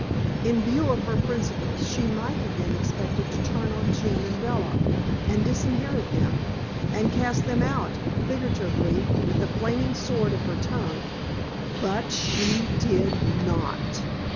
In view of her principles, she might have been expected to turn on Jim and Bella, and disinherit them, and cast them out, figuratively, with the flaming sword of her tongue. BUT SHE DID NOT!